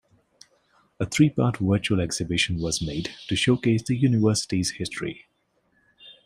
A three part virtual exhibition was made to showcase the university's history.